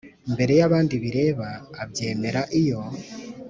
mbere y abandi bireba abyemera iyo